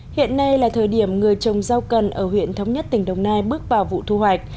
hiện nay là thời điểm người trồng rau cần ở huyện thống nhất tỉnh đồng nai bước vào vụ thu hoạch